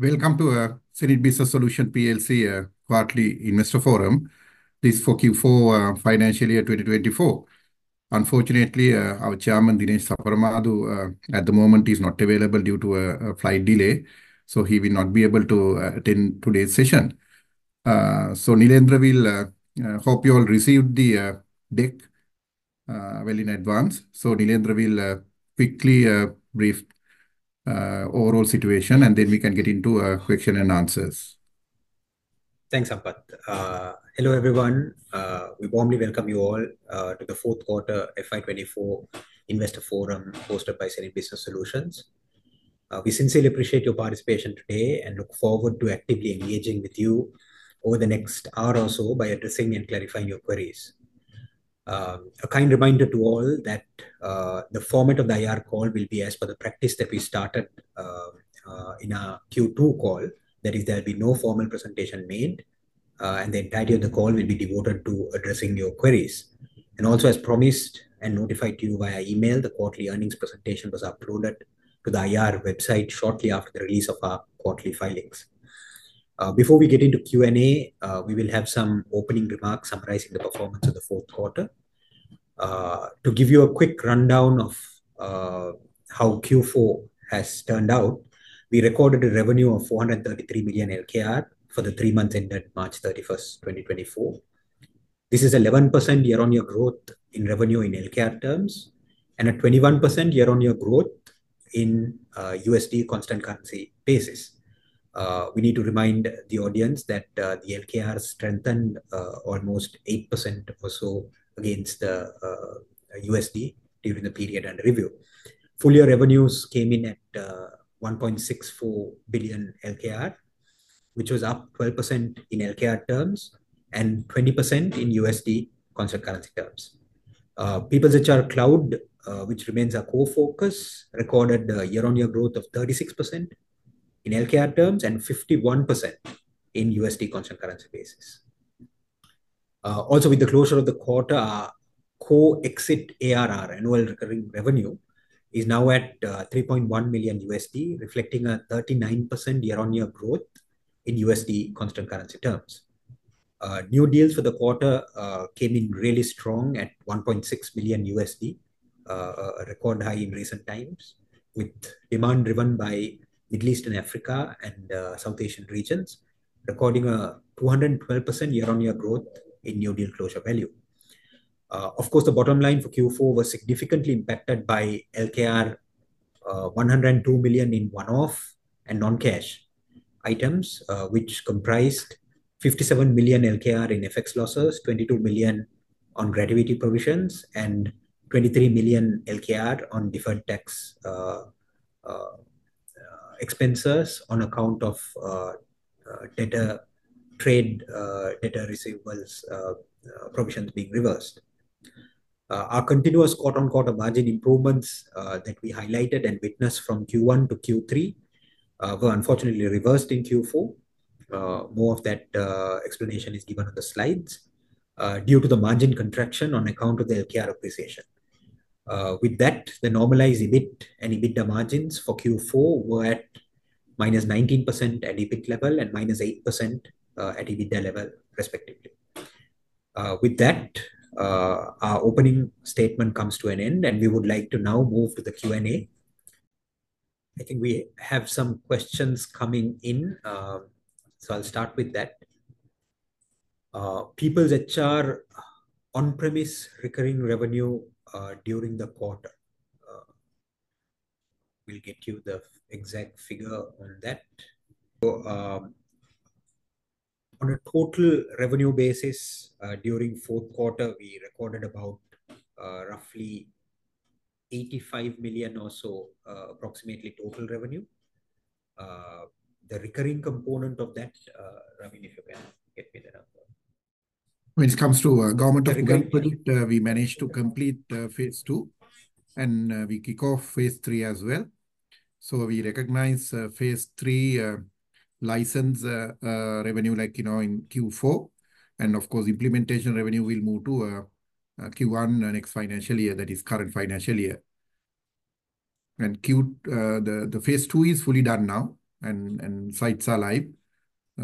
Welcome to hSenid Business Solutions PLC quarterly investor forum. This is for Q4 financial year 2024. Unfortunately, our chairman, Dinesh Saparamadu, at the moment, he's not available due to a flight delay, so he will not be able to attend today's session. So Nilendra will hope you all received the deck well in advance. So Nilendra will quickly brief overall situation, and then we can get into question and answers. Thanks, Sampath. Hello, everyone. We warmly welcome you all to the Q4 FY 2024 investor forum, hosted by hSenid Business Solutions. We sincerely appreciate your participation today and look forward to actively engaging with you over the next hour or so by addressing and clarifying your queries. A kind reminder to all that the format of the IR call will be as per the practice that we started in our Q2 call. That is, there'll be no formal presentation made, and the entirety of the call will be devoted to addressing your queries. And also, as promised and notified to you via email, the quarterly earnings presentation was uploaded to the IR website shortly after the release of our quarterly filings. Before we get into Q&A, we will have some opening remarks summarizing the performance of the Q4. To give you a quick rundown of how Q4 has turned out, we recorded a revenue of LKR 433 million for the three months ended March thirty-first, 2024. This is 11% year-on-year growth in revenue in LKR terms, and a 21% year-on-year growth in USD constant currency basis. We need to remind the audience that the LKR strengthened almost 8% or so against USD during the period under review. Full year revenues came in at 1.64 billion LKR, which was up 12% in LKR terms and 20% in USD constant currency terms. PeoplesHR Cloud, which remains our core focus, recorded a year-on-year growth of 36% in LKR terms and 51% in USD constant currency basis. Also, with the closure of the quarter, our core exit ARR, annual recurring revenue, is now at $3.1 million, reflecting a 39% year-on-year growth in USD constant currency terms. New deals for the quarter came in really strong at $1.6 million, a record high in recent times, with demand driven by Middle East and Africa and South Asian regions, recording a 212% year-on-year growth in new deal closure value. Of course, the bottom line for Q4 was significantly impacted by LKR 102 million in one-off and non-cash items, which comprised LKR 57 million in FX losses, LKR 22 million on gratuity provisions, and LKR 23 million on deferred tax expenses on account of bad debt, trade receivables provisions being reversed. Our continuous "margin improvements" that we highlighted and witnessed from Q1 to Q3 were unfortunately reversed in Q4. More of that explanation is given on the slides due to the margin contraction on account of the LKR appreciation. With that, the normalized EBIT and EBITDA margins for Q4 were at -19% at EBIT level and -8% at EBITDA level, respectively. With that, our opening statement comes to an end, and we would like to now move to the Q&A. I think we have some questions coming in, so I'll start with that. PeoplesHR On-Premise recurring revenue during the quarter. We'll get you the exact figure on that. So, on a total revenue basis, during Q4, we recorded about roughly LKR 85 million or so, approximately, total revenue. The recurring component of that, Raveen, if you can get me that number. When it comes to Government of Uganda, we managed to complete phase two, and we kick off phase three as well. So we recognize phase three license revenue, like, you know, in Q4. And of course, implementation revenue will move to Q1 next financial year, that is current financial year. And the phase two is fully done now, and sites are live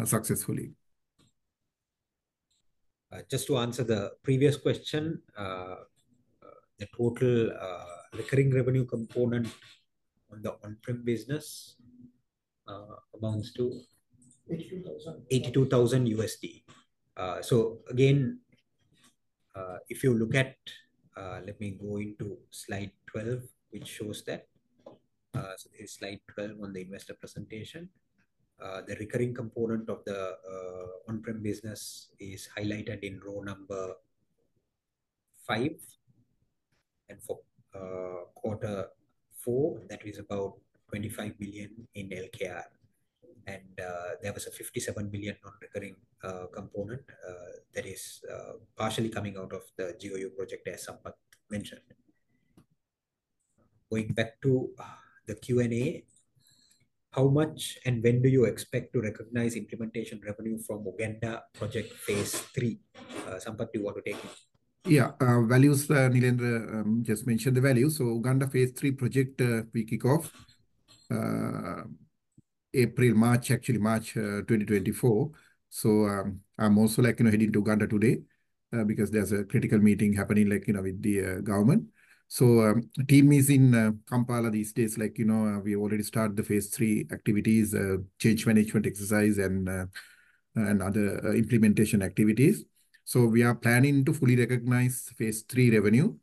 successfully. Just to answer the previous question, the total recurring revenue component on the on-prem business amounts to $82,000. $82,000. So again, if you look at... Let me go into slide 12, which shows that, it's slide 12 on the investor presentation. The recurring component of the on-prem business is highlighted in row number five. And for quarter four, that is about LKR 25 million. And there was a LKR 57 million non-recurring component that is partially coming out of the GOU project, as Sampath mentioned. Going back to the Q&A: How much and when do you expect to recognize implementation revenue from Uganda project phase three? Sampath, do you want to take it?... Yeah, values, Nilendra just mentioned the values. So Uganda Phase III project, we kick off April, March, actually March, 2024. So, I'm also, like, gonna head into Uganda today, because there's a critical meeting happening, like, you know, with the government. So, the team is in Kampala these days, like, you know, we already started the Phase III activities, change management exercise, and other implementation activities. So we are planning to fully recognize Phase III revenue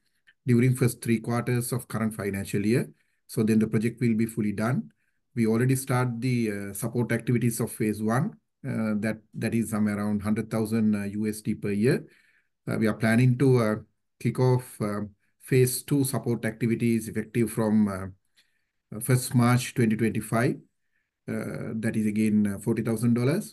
during first three quarters of current financial year, so then the project will be fully done. We already start the support activities of Phase I, that is around $100,000 per year. We are planning to kick off Phase II support activities effective from first March 2025. That is again $40,000.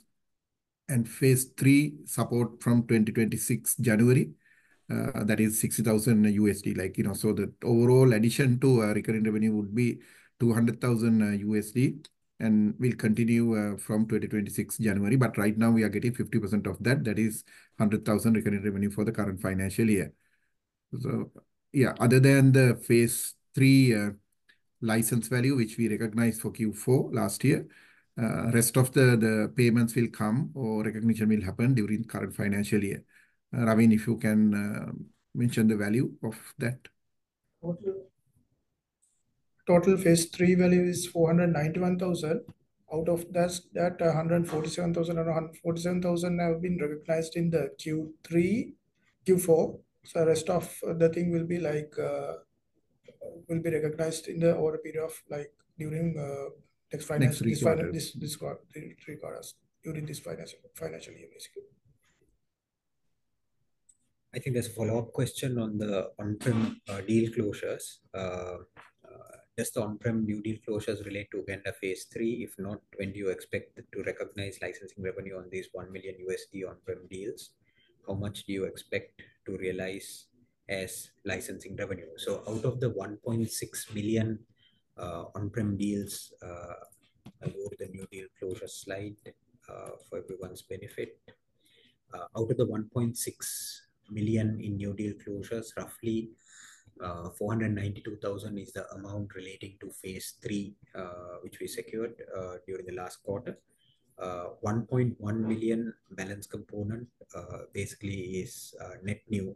And Phase III support from January 2026, that is $60,000. Like, you know, so the overall addition to our recurring revenue would be $200,000, and will continue from January 2026. But right now we are getting 50% of that. That is $100,000 recurring revenue for the current financial year. So yeah, other than the Phase III license value, which we recognized for Q4 last year, rest of the payments will come or recognition will happen during current financial year. Raveen, if you can mention the value of that. Total, total Phase III value is $491,000. Out of that, that, a hundred and forty-seven thousand and forty-seven thousand have been recognized in the Q3, Q4. So the rest of the thing will be like, will be recognized in the order period of, like, during next financial- Next three quarters. This quarter, three quarters, during this financial year, basically. I think there's a follow-up question on the on-prem deal closures. Does the on-prem new deal closures relate to Uganda Phase III? If not, when do you expect to recognize licensing revenue on these $1 million on-prem deals? How much do you expect to realize as licensing revenue? So out of the $1.6 million on-prem deals, I go to the new deal closure slide for everyone's benefit. Out of the LKR 1.6 million in new deal closures, roughly, $492,000 is the amount relating to Phase III, which we secured during the last quarter. $1.1 million balance component basically is net new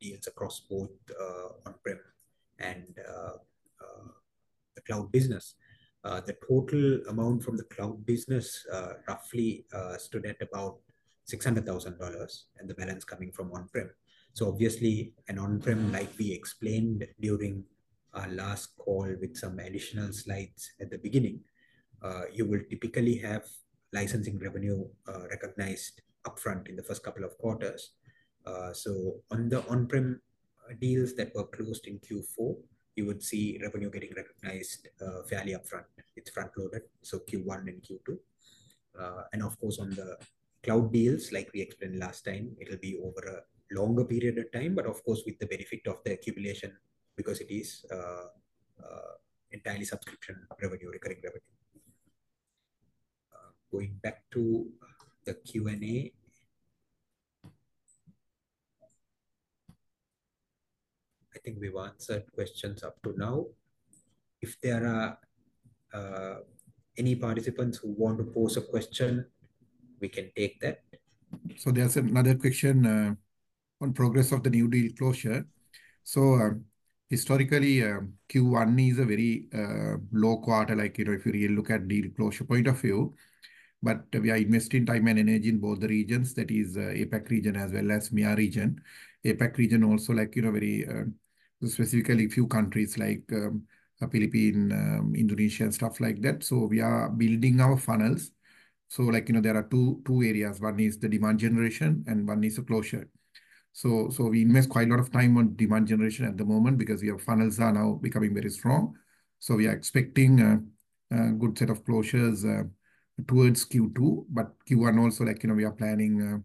deals across both on-prem and the cloud business. The total amount from the cloud business, roughly, stood at about $600,000, and the balance coming from on-prem. So obviously, an on-prem, like we explained during our last call with some additional slides at the beginning, you will typically have licensing revenue recognized upfront in the first couple of quarters. So on the on-prem deals that were closed in Q4, you would see revenue getting recognized fairly upfront. It's front-loaded, so Q1 and Q2. And of course, on the cloud deals, like we explained last time, it'll be over a longer period of time, but of course, with the benefit of the accumulation, because it is entirely subscription revenue, recurring revenue. Going back to the Q&A. I think we've answered questions up to now. If there are any participants who want to pose a question, we can take that. So there's another question on progress of the new deal closure. So, historically, Q1 is a very low quarter, like, you know, if you really look at deal closure point of view. But we are investing time and energy in both the regions, that is, APAC region as well as MEA region. APAC region, also like, you know, very specifically few countries like, Philippines, Indonesia, and stuff like that. So we are building our funnels. So like, you know, there are two, two areas: one is the demand generation and one is the closure. So, so we invest quite a lot of time on demand generation at the moment because our funnels are now becoming very strong. So we are expecting a, a good set of closures towards Q2. But Q1 also, like, you know, we are planning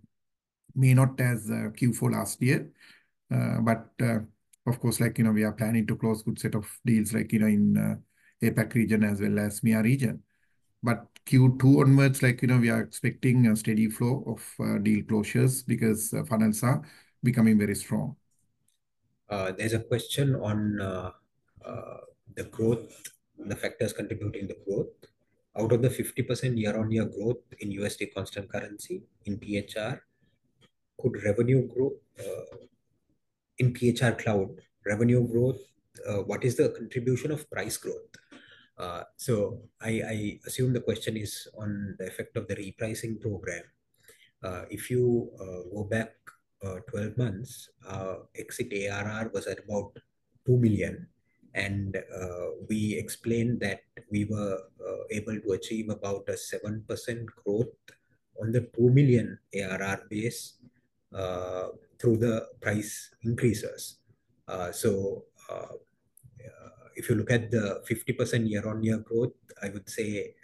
may not as Q4 last year, but of course, like, you know, we are planning to close good set of deals, like in APAC region as well as MEA region. But Q2 onwards, like, you know, we are expecting a steady flow of deal closures because funnels are becoming very strong. There's a question on the growth and the factors contributing the growth. Out of the 50% year-over-year growth in USD constant currency in PeoplesHR, could revenue grow in PeoplesHR Cloud? Revenue growth, what is the contribution of price growth? So I assume the question is on the effect of the repricing program. If you go back 12 months, Exit ARR was at about $2 million, and we explained that we were able to achieve about a 7% growth on the $2 million ARR base through the price increases. So if you look at the 50% year-over-year growth, I would say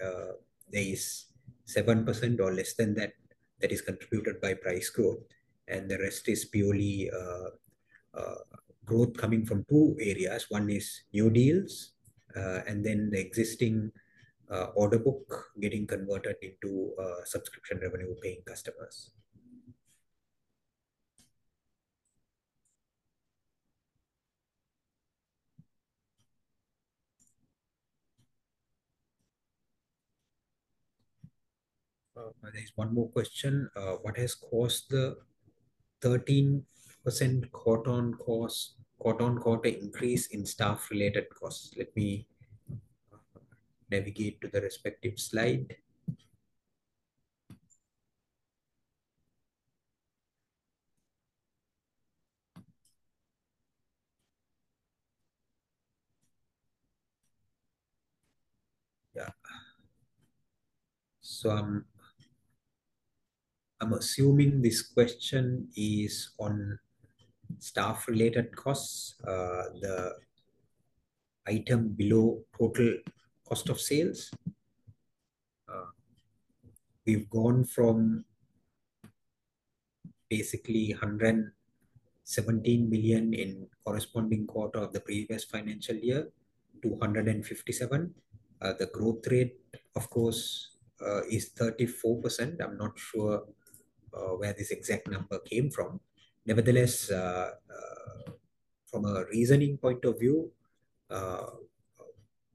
there is 7% or less than that that is contributed by price growth, and the rest is purely growth coming from two areas. One is new deals, and then the existing order book getting converted into subscription revenue-paying customers. There is one more question: what has caused the 13% quarter-on-quarter increase in staff-related costs? Let me navigate to the respective slide. Yeah. So I'm assuming this question is on staff-related costs, the item below total cost of sales. We've gone from basically LKR 117 million in corresponding quarter of the previous financial year to LKR 157 million. The growth rate, of course, is 34%. I'm not sure where this exact number came from. Nevertheless, from a reasoning point of view,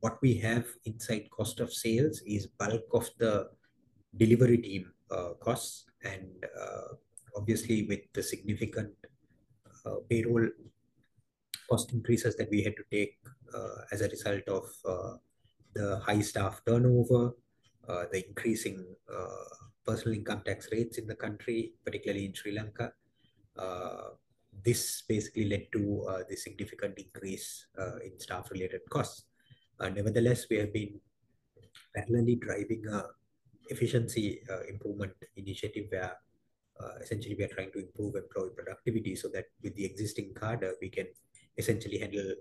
what we have inside cost of sales is bulk of the delivery team costs. Obviously, with the significant payroll cost increases that we had to take as a result of the high staff turnover, the increasing personal income tax rates in the country, particularly in Sri Lanka, this basically led to the significant increase in staff-related costs. Nevertheless, we have been parallelly driving an efficiency improvement initiative, where essentially we are trying to improve employee productivity so that with the existing cadre, we can essentially handle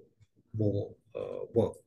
more work.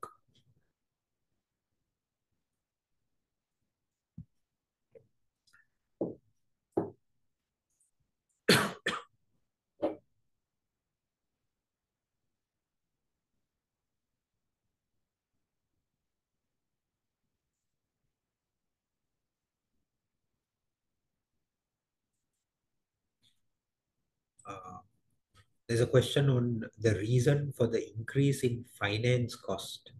There's a question on the reason for the increase in finance cost.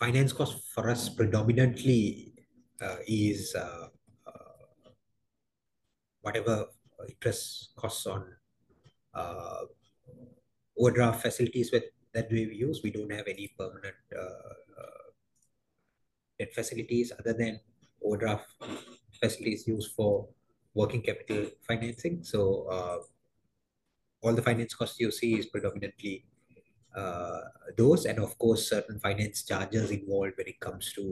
Finance cost for us predominantly is whatever interest costs on overdraft facilities that we use. We don't have any permanent facilities other than overdraft facilities used for working capital financing. So, all the finance costs you see is predominantly, those and, of course, certain finance charges involved when it comes to,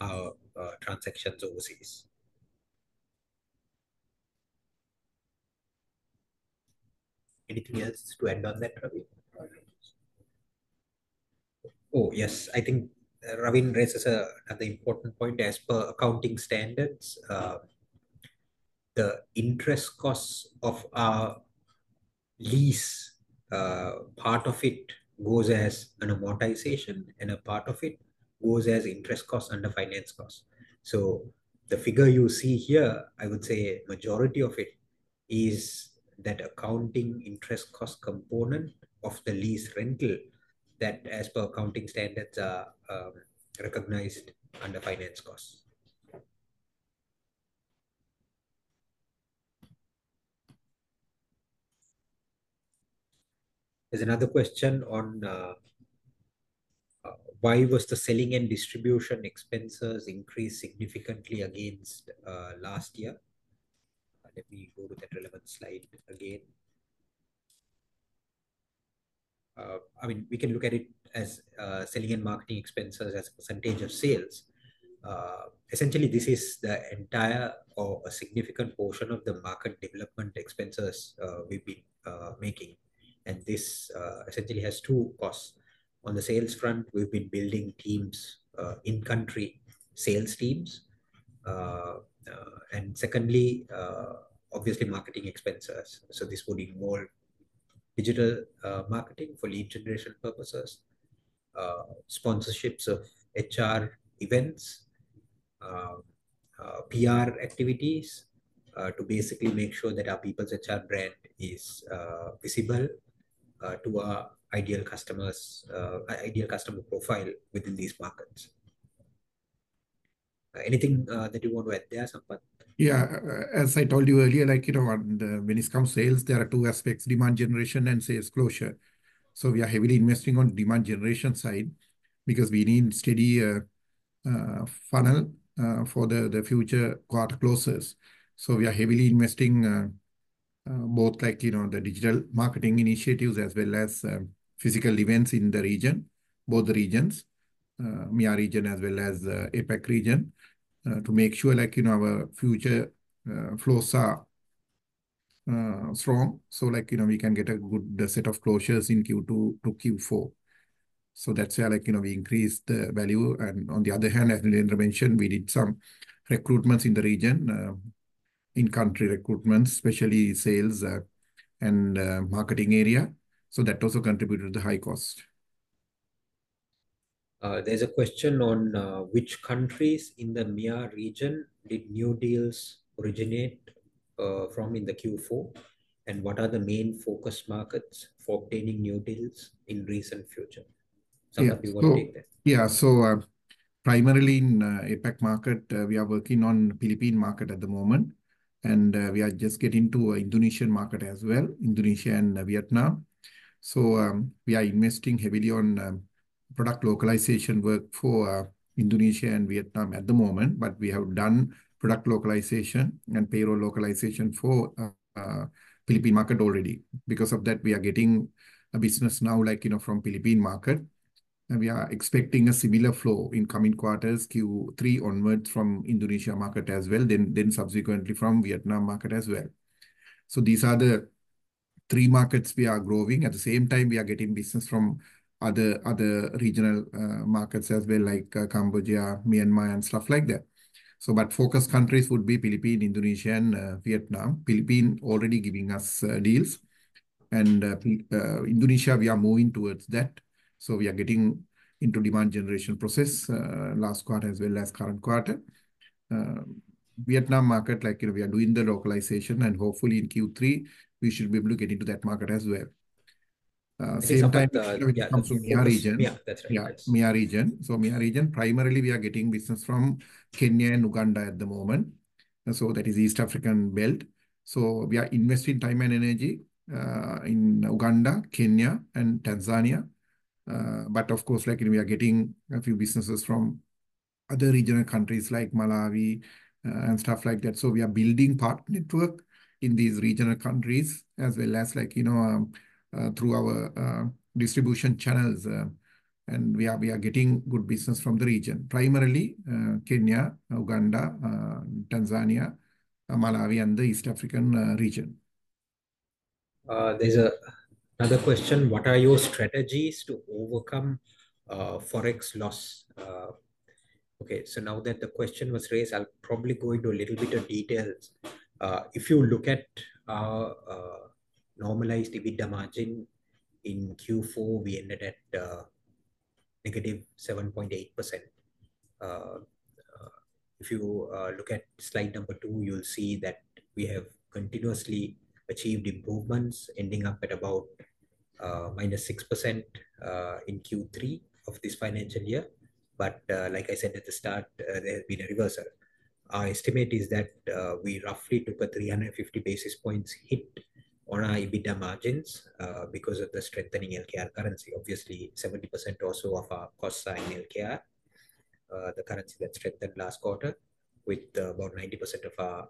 our, transactions overseas. Anything else to add on that, Ravi? Oh, yes. I think, Ravi raises a, the important point. As per accounting standards, the interest costs of our lease, part of it goes as an amortization, and a part of it goes as interest cost under finance cost. So the figure you see here, I would say majority of it is that accounting interest cost component of the lease rental that, as per accounting standards, are, recognized under finance costs. There's another question on, why was the selling and distribution expenses increased significantly against, last year? Let me go to that relevant slide again. I mean, we can look at it as selling and marketing expenses as a percentage of sales. Essentially, this is the entire or a significant portion of the market development expenses we've been making, and this essentially has two costs. On the sales front, we've been building teams, in-country sales teams. And secondly, obviously, marketing expenses, so this would involve digital marketing for lead generation purposes, sponsorships of HR events, PR activities, to basically make sure that our PeoplesHR brand is visible to our ideal customers, ideal customer profile within these markets. Anything that you want to add there, Sampath? Yeah. As I told you earlier, like, you know, when, when it comes to sales, there are two aspects: demand generation and sales closure. So we are heavily investing on demand generation side because we need steady, funnel, for the, the future quarter closes. So we are heavily investing, both like, you know, the digital marketing initiatives, as well as, physical events in the region, both the regions, MEA region as well as, APAC region, to make sure, like, you know, our future, flows are, strong. So, like, you know, we can get a good set of closures in Q2 to Q4. So that's where, like, you know, we increased the value. On the other hand, as Nilendra mentioned, we did some recruitments in the region, in-country recruitment, especially sales and marketing area, so that also contributed to the high cost. There's a question on which countries in the MEA region did new deals originate from in the Q4? And what are the main focus markets for obtaining new deals in recent future? Some of you will take this. Primarily in APAC market, we are working on Philippine market at the moment, and we are just getting to Indonesian market as well, Indonesia and Vietnam. So, we are investing heavily on product localisation work for Indonesia and Vietnam at the moment, but we have done product localisation and payroll localisation for Philippine market already. Because of that, we are getting a business now, like, you know, from Philippine market, and we are expecting a similar flow in coming quarters, Q3 onwards from Indonesia market as well, then subsequently from Vietnam market as well. So these are the three markets we are growing. At the same time, we are getting business from other regional markets as well, like, Cambodia, Myanmar, and stuff like that. So, but focus countries would be Philippines, Indonesia, and Vietnam. Philippines already giving us deals, and Indonesia, we are moving towards that, so we are getting into demand generation process last quarter as well as current quarter. Vietnam market, like, you know, we are doing the localization, and hopefully in Q3 we should be able to get into that market as well. Same time- Yeah. - from MEA region. Yeah, that's right. Yeah, MEA region. So MEA region, primarily we are getting business from Kenya and Uganda at the moment, and so that is East African belt. So we are investing time and energy in Uganda, Kenya, and Tanzania. But of course, like, you know, we are getting a few businesses from other regional countries like Malawi and stuff like that. So we are building partner network in these regional countries as well as like, you know, through our distribution channels, and we are getting good business from the region, primarily Kenya, Uganda, Tanzania, Malawi, and the East African region. There's another question: What are your strategies to overcome Forex loss? Okay, so now that the question was raised, I'll probably go into a little bit of details. If you look at normalized EBITDA margin, in Q4, we ended at negative 7.8%. If you look at slide 2, you'll see that we have continuously achieved improvements, ending up at about minus 6%, in Q3 of this financial year. But like I said at the start, there has been a reversal. Our estimate is that we roughly took a 350 basis points hit on our EBITDA margins because of the strengthening LKR currency. Obviously, 70% or so of our costs are in LKR, the currency that strengthened last quarter, with about 90% of our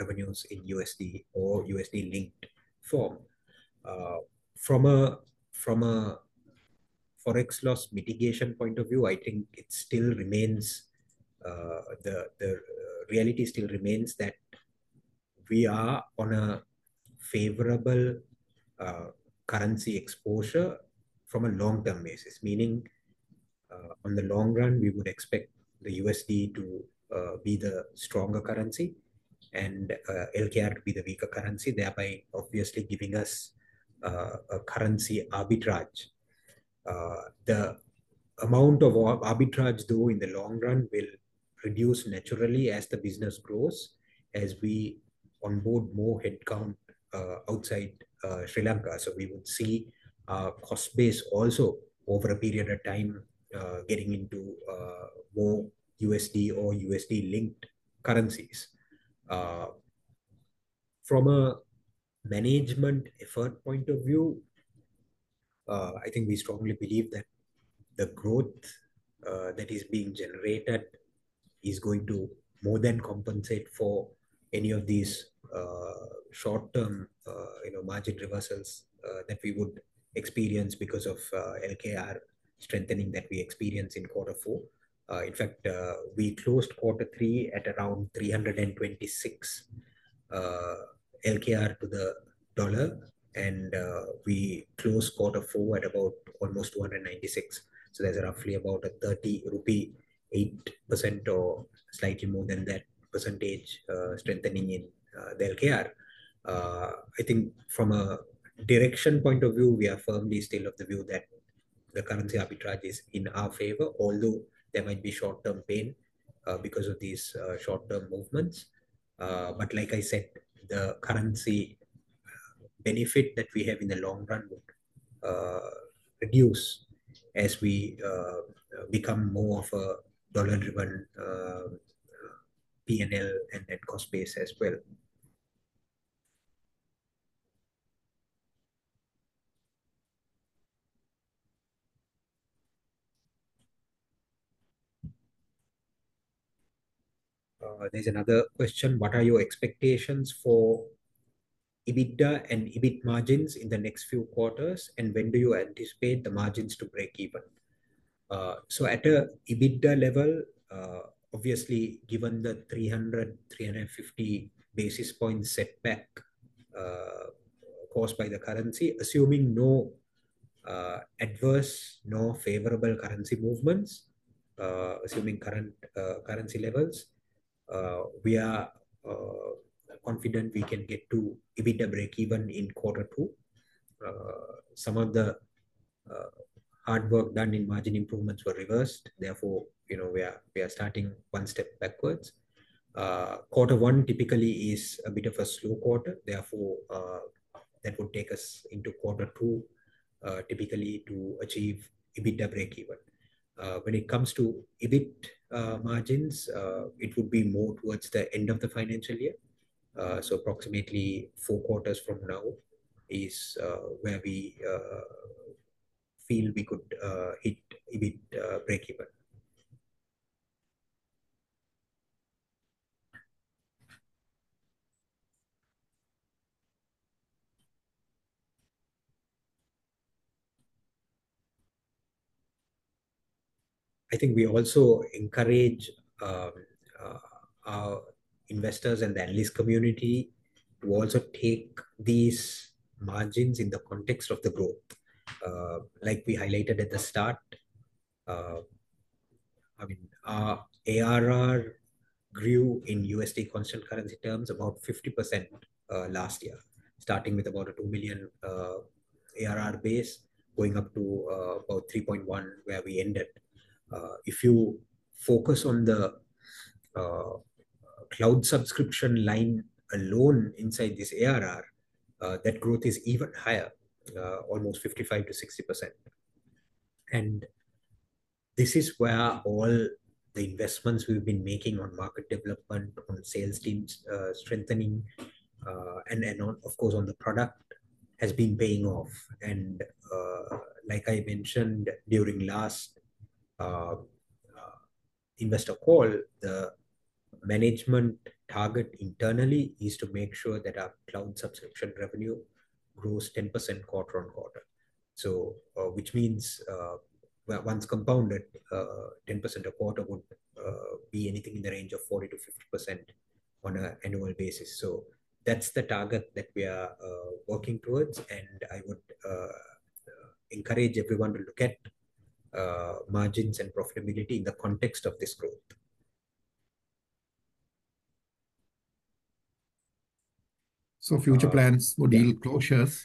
revenues in USD or USD-linked form. From a Forex loss mitigation point of view, I think the reality still remains that we are on a favorable currency exposure from a long-term basis, meaning on the long run, we would expect the USD to be the stronger currency and LKR to be the weaker currency, thereby obviously giving us a currency arbitrage. The amount of arbitrage due in the long run will reduce naturally as the business grows, as we onboard more headcount outside Sri Lanka. So we would see our cost base also over a period of time getting into more USD or USD-linked currencies. From a management effort point of view, I think we strongly believe that the growth that is being generated is going to more than compensate for any of these short-term, you know, margin reversals that we would experience because of LKR strengthening that we experienced in quarter four. In fact, we closed quarter three at around 326 LKR to the dollar, and we closed quarter four at about almost 296. So there's roughly about a 30 rupee, 8%, or slightly more than that percentage strengthening in the LKR. I think from a direction point of view, we are firmly still of the view that the currency arbitrage is in our favor, although there might be short-term pain because of these short-term movements. But like I said, the currency benefit that we have in the long run would reduce as we become more of a dollar-driven PNL and net cost base as well. There's another question: What are your expectations for EBITDA and EBIT margins in the next few quarters, and when do you anticipate the margins to break even? So at a EBITDA level, obviously, given the 300-350 basis points setback caused by the currency, assuming no adverse, no favorable currency movements, assuming current currency levels, we are confident we can get to EBITDA breakeven in quarter two. Some of the hard work done in margin improvements were reversed, therefore, you know, we are starting one step backwards. Quarter one typically is a bit of a slow quarter, therefore, that would take us into quarter two, typically to achieve EBITDA breakeven. When it comes to EBIT margins, it would be more towards the end of the financial year. So approximately four quarters from now is, where we feel we could hit EBIT breakeven. I think we also encourage investors and the analyst community to also take these margins in the context of the growth. Like we highlighted at the start, I mean, ARR grew in USD constant currency terms about 50%, last year. Starting with about a $2 million ARR base, going up to about $3.1 million, where we ended. If you focus on the cloud subscription line alone inside this ARR, that growth is even higher, almost 55%-60%. And this is where all the investments we've been making on market development, on sales teams, strengthening, and then on, of course, on the product, has been paying off. And like I mentioned during last investor call, the management target internally is to make sure that our cloud subscription revenue grows 10% quarter on quarter. So which means, well, once compounded, 10% a quarter would be anything in the range of 40%-50% on an annual basis. So that's the target that we are working towards, and I would encourage everyone to look at margins and profitability in the context of this growth. So future plans for deal closures.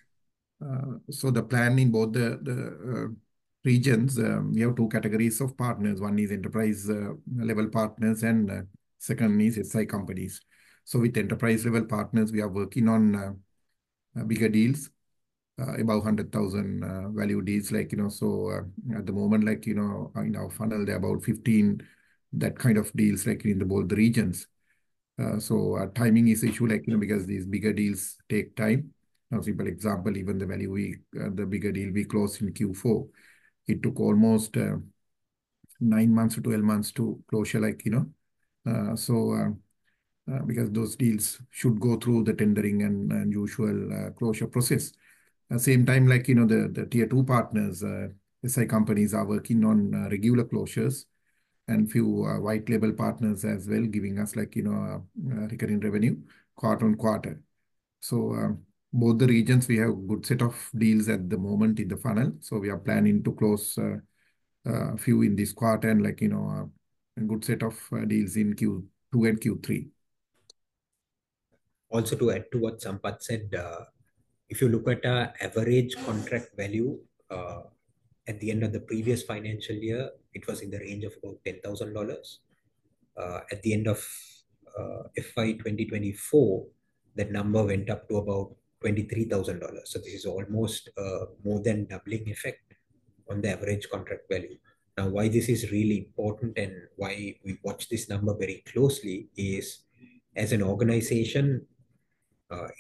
So the plan in both the regions, we have two categories of partners. One is enterprise level partners, and the second is SI companies. So with enterprise-level partners, we are working on bigger deals, about $100,000 value deals, like, you know, so at the moment, like, you know, in our funnel, there are about 15 that kind of deals, like, in both the regions. So timing is issue, like, you know, because these bigger deals take time. Now, simple example, even the bigger deal we closed in Q4, it took almost nine months or 12 months to close it, like, you know. So because those deals should go through the tendering and usual closure process. At the same time, like, you know, the tier two partners, SI companies are working on regular closures and few white label partners as well, giving us, like, you know, recurring revenue quarter on quarter. So, both the regions, we have a good set of deals at the moment in the funnel. So we are planning to close a few in this quarter and, like, you know, a good set of deals in Q2 and Q3. Also, to add to what Sampath said, if you look at our average contract value, at the end of the previous financial year, it was in the range of about $10,000. At the end of FY 2024, that number went up to about $23,000. So this is almost more than doubling effect on the average contract value. Now, why this is really important, and why we watch this number very closely is, as an organization,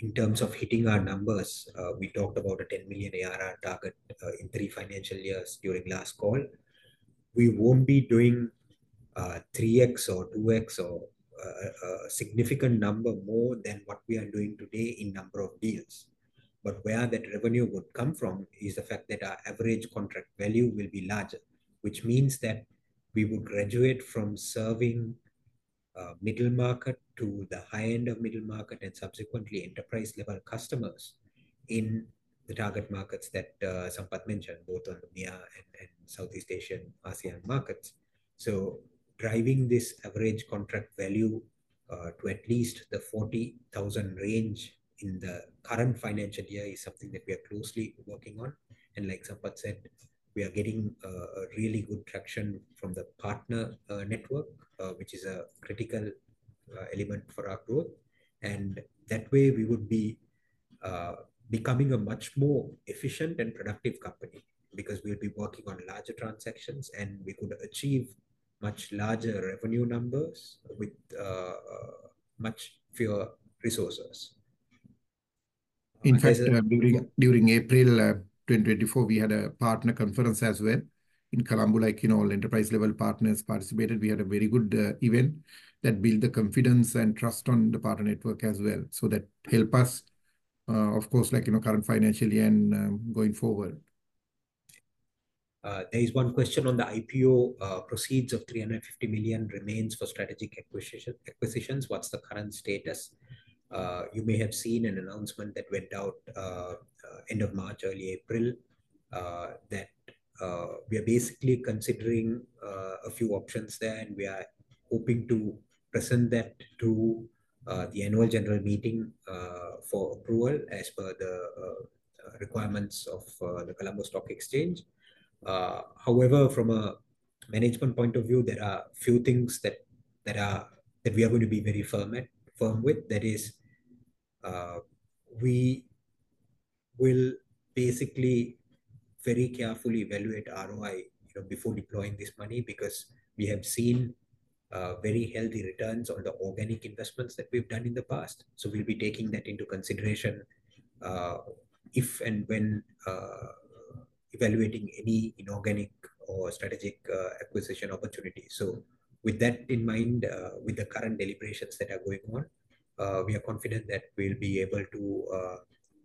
in terms of hitting our numbers, we talked about a $10 million ARR target in three financial years during last call. We won't be doing 3x or 2x or a significant number more than what we are doing today in number of deals. But where that revenue would come from is the fact that our average contract value will be larger, which means that we would graduate from serving, middle market to the high end of middle market, and subsequently, enterprise-level customers in the target markets that, Sampath mentioned, both on the MEA and Southeast Asian ASEAN markets. So driving this average contract value to at least the $40,000 range in the current financial year is something that we are closely working on. And like Sampath said, we are getting a really good traction from the partner network, which is a critical element for our growth. And that way, we would be becoming a much more efficient and productive company because we'll be working on larger transactions, and we could achieve much larger revenue numbers with much fewer resources. In fact, during April 2024, we had a partner conference as well in Colombo, like, you know, all enterprise-level partners participated. We had a very good event that built the confidence and trust on the partner network as well. So that help us, of course, like, you know, current financial year and going forward. There is one question on the IPO proceeds of LKR 350 million remains for strategic acquisitions. What's the current status? You may have seen an announcement that went out end of March, early April, that we are basically considering a few options there, and we are hoping to present that to the annual general meeting for approval as per the requirements of the Colombo Stock Exchange. However, from a management point of view, there are a few things that we are going to be very firm with. That is, we will basically very carefully evaluate ROI, you know, before deploying this money, because we have seen very healthy returns on the organic investments that we've done in the past. So we'll be taking that into consideration, if and when, evaluating any inorganic or strategic, acquisition opportunity. So with that in mind, with the current deliberations that are going on, we are confident that we'll be able to,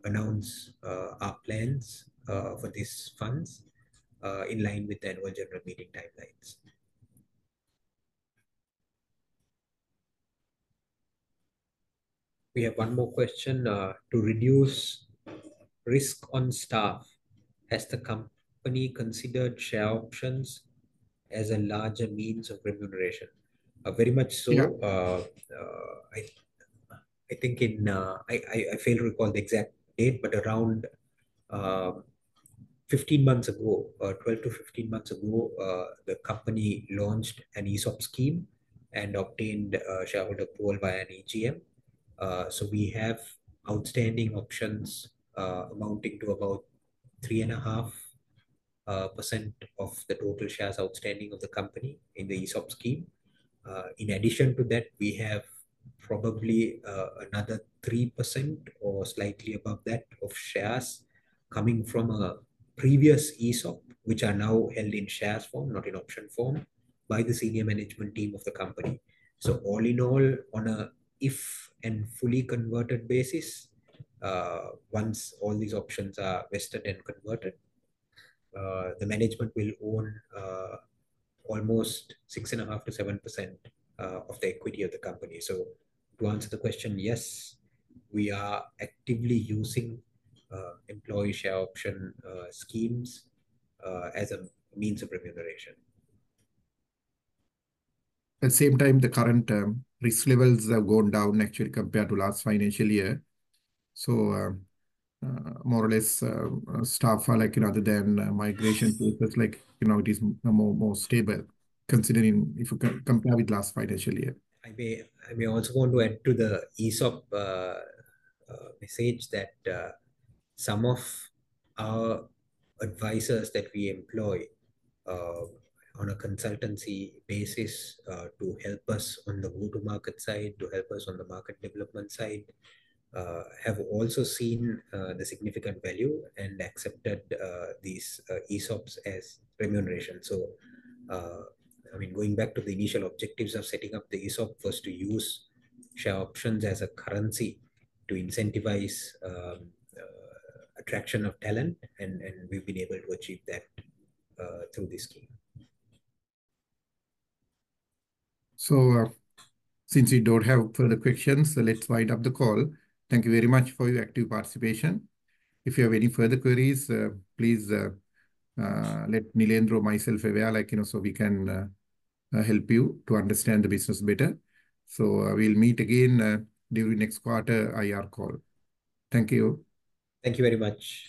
announce, our plans, for these funds, in line with the Annual General Meeting timelines. We have one more question. To reduce risk on staff, has the company considered share options as a larger means of remuneration? Very much so. Yeah. I think... I fail to recall the exact date, but around 15 months ago, 12-15 months ago, the company launched an ESOP scheme and obtained a shareholder poll via an AGM. So we have outstanding options amounting to about 3.5% of the total shares outstanding of the company in the ESOP scheme. In addition to that, we have probably another 3% or slightly above that of shares coming from a previous ESOP, which are now held in shares form, not in option form, by the senior management team of the company. All in all, on a if and fully converted basis, once all these options are vested and converted, the management will own almost 6.5%-7% of the equity of the company. To answer the question, yes, we are actively using employee share option schemes as a means of remuneration. At the same time, the current risk levels have gone down actually compared to last financial year. So, more or less, staff are like, rather than migration, because like, you know, it is more, more stable considering if you compare with last financial year. I may, I may also want to add to the ESOP message that some of our advisers that we employ on a consultancy basis to help us on the go-to-market side, to help us on the market development side, have also seen the significant value and accepted these ESOPs as remuneration. So, I mean, going back to the initial objectives of setting up the ESOP, first, to use share options as a currency to incentivize attraction of talent, and, and we've been able to achieve that through this scheme. Since we don't have further questions, so let's wind up the call. Thank you very much for your active participation. If you have any further queries, please let Nilendra or myself know, like, you know, so we can help you to understand the business better. We'll meet again during next quarter IR call. Thank you. Thank you very much.